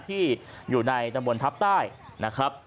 ที่อยู่ในตำบลทัพใต้นะครับ